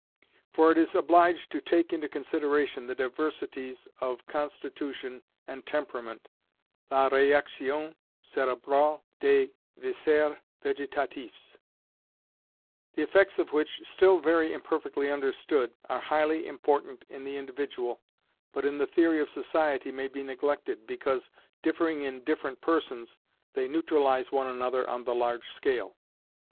For it is obliged to take into consideration the diversities of constitution and temperament (la réaction cérébrale des viscères végétatifs) the effects of which, still very imperfectly understood, are highly important in the individual, but in the theory of society may be neglected, because, differing in different persons, they neutralize one another on the large scale.